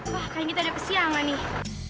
wah kayaknya kita ada kesiangan nih